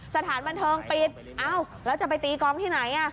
สถานบันเทิงปิดเอ้าแล้วจะไปตีกองที่ไหน